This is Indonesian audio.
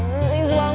bangun bangun bangun